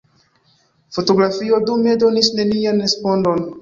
Fotografio dume donis nenian respondon.